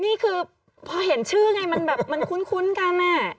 นี่คือพอเห็นชื่อไงมันคุ้นกันอ่ะ